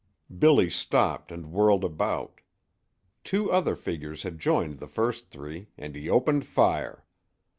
Billy stopped and whirled about. Two other figures had joined the first three, and he opened fire.